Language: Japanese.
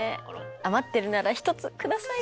余ってるなら１つ下さいよ。